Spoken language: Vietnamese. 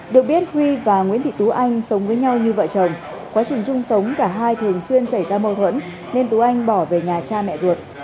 được biết huy và nguyễn thị tú anh sống với nhau như vợ chồng quá trình chung sống cả hai thường xuyên xảy ra mâu thuẫn nên tú anh bỏ về nhà cha mẹ ruột